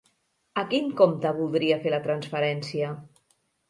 A quin compte voldria fer la transferència?